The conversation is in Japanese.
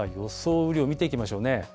雨量、見ていきましょうね。